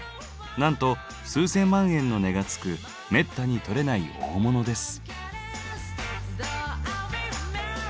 なんと数千万円の値がつくめったに採れない大物です。